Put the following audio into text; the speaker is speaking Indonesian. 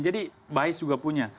jadi bis juga punya